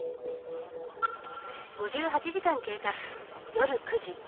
夜９時。